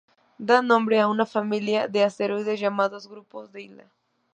Da nombre a una familia de asteroides llamados grupo de Hilda